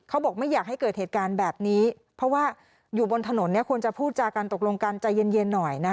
บอกไม่อยากให้เกิดเหตุการณ์แบบนี้เพราะว่าอยู่บนถนนควรจะพูดจากันตกลงกันใจเย็นหน่อย